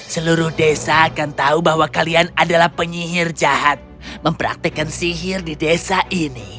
seluruh desa akan tahu bahwa kalian adalah penyihir jahat mempraktekkan sihir di desa ini